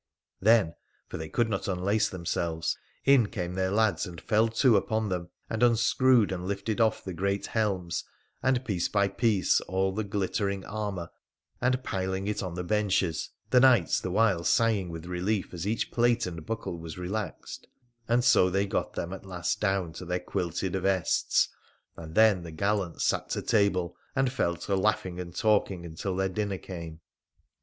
Then— for they could not unlace themselves — in came their lads and fell to upon them and unscrewed and lifted off the great helms, and piece by piece all the glittering armour, and piling it on the benches— the knights the while sighing with relief as each plate and buckle was relaxed— and so they got them at last down to their quilted vests, and then the gallants sat to table and fell to laughing and talking until their dinner came.